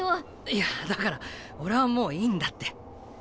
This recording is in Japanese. いやだから俺はもういいんだって。